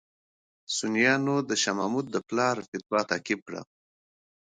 سنیانو د شاه محمود د پلار فتوا تعقیب کړه.